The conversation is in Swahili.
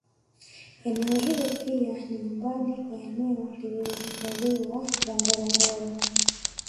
Eneo hilo pia ni nyumbani kwa eneo lililohifadhiwa la Ngorongoro